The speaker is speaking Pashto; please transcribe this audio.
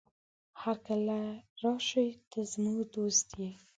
هرکله راشې، ته زموږ دوست يې.